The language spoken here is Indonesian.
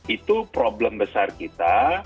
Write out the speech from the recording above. itu problem besar kita